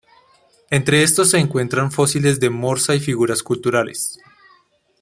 Entre estos se encuentran fósiles de morsa y figuras culturales.